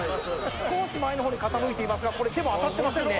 少し前の方に傾いていますがこれ手も当たってませんね